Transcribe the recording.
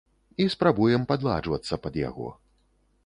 І спрабуем падладжвацца пад яго.